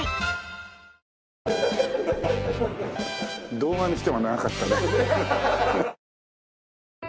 動画にしては長かったね。